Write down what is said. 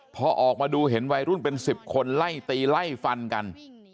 พอออกมาดูเห็นวัยรุ่นเป็น๑๐คนไล่ตีไล่ฟันกัน